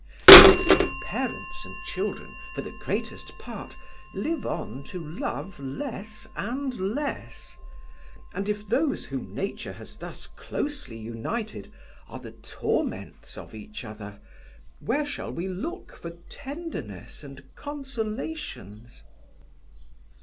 Thus parents and children for the greatest part live on to love less and less; and if those whom Nature has thus closely united are the torments of each other, where shall we look for tenderness and consolations?"